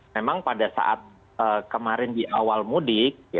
memang pada saat kemarin di awal mudik